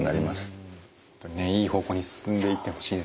ねいい方向に進んでいってほしいですね。